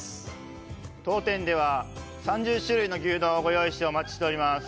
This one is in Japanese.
当店では３０種類の牛丼をご用意してお待ちしております。